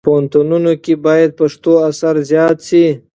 په پوهنتونونو کې باید پښتو اثار زیات شي.